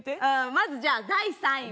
まずじゃあ第３位は。